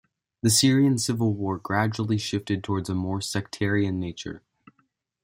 The Syrian civil war gradually shifted towards a more sectarian nature.